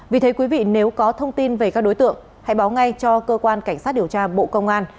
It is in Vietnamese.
vì thế quý vị nếu có thông tin về các đối tượng hãy báo ngay cho cơ quan cảnh sát điều tra bộ công an